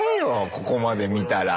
ここまで見たら。